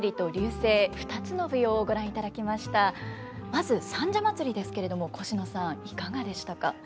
まず「三社祭」ですけれどもコシノさんいかがでしたか？